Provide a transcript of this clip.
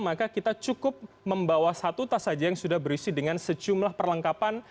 maka kita cukup membawa satu tas saja yang sudah berisi dengan sejumlah perlengkapan